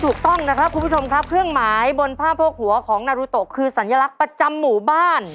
ถูกครับ